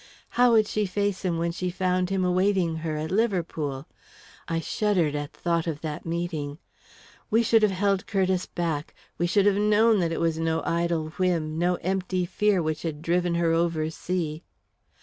How would she face him when she found him awaiting her at Liverpool? I shuddered at thought of that meeting. We should have held Curtiss back; we should have known that it was no idle whim, no empty fear which had driven her over sea.